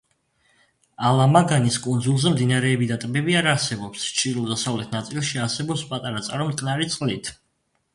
ალამაგანის კუნძულზე მდინარეები და ტბები არ არსებობს, ჩრდილო-დასავლეთ ნაწილში არსებობს პატარა წყარო მტკნარი წყლით.